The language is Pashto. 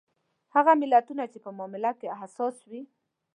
هغه ملتونه چې په معامله کې حساس وي.